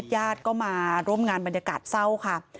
ญาติก็มาร่วมงานบรรยากาศเศร้าค่ะ